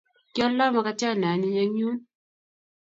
Kialdoi makatiat ne anyiny eng yun